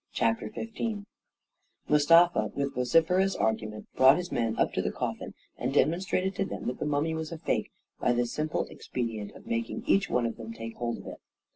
CHAPTER XV Mustafa, with vociferous argument, brought his men up to the coffin and demonstrated to them that the mummy was a fake by the simple expedient of making each one of them take hold of it.